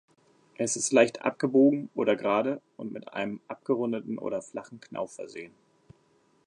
Es ist leicht abgebogen oder gerade und mit einem abgerundeten oder flachen Knauf versehen.